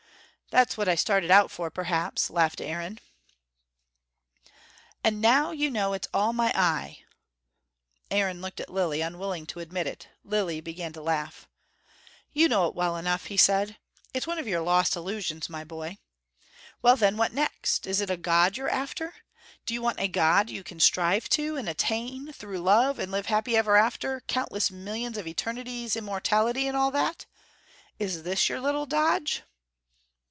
"That's what I started out for, perhaps," laughed Aaron. "And now you know it's all my eye!" Aaron looked at Lilly, unwilling to admit it. Lilly began to laugh. "You know it well enough," he said. "It's one of your lost illusions, my boy. Well, then, what next? Is it a God you're after? Do you want a God you can strive to and attain, through love, and live happy ever after, countless millions of eternities, immortality and all that? Is this your little dodge?"